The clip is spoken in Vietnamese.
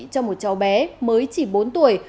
cho một cháu bé mới chỉ bốn tuổi